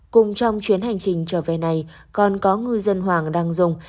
cùng trong chuyến hành trình trở về này còn có ngư dân hoàng đăng dung